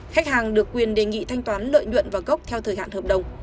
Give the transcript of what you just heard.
khách hàng được quyền đề nghị thanh toán lợi nhuận và gốc theo thời hạn hợp đồng